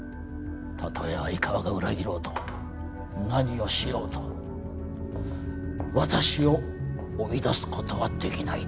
たとえ相川が裏切ろうと何をしようと私を追い出す事はできない。